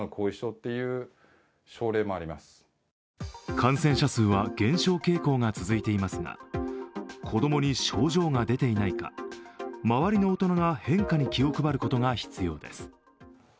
感染者数は減少傾向が続いていますが子供に症状が出ていないか、周りの大人が変化に気を配ることが必要です。